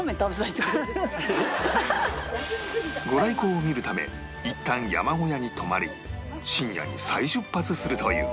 御来光を見るためいったん山小屋に泊まり深夜に再出発するという